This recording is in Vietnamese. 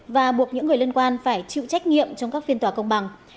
và buộc những người liên quan phải chịu trách nhiệm trong các phiên tòa công bằng